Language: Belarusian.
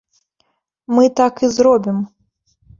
Мы так і зробім!